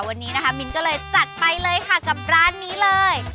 วันนี้นะคะมินก็เลยจัดไปเลยค่ะกับร้านนี้เลย